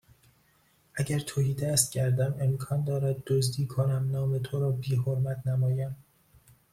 اگر تهیدست گردم امکان دارد دزدی کنم نام تو را بیحرمت نمایم